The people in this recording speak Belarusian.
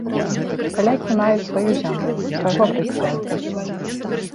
Палякі маюць сваю зямлю, свайго прэзідэнта.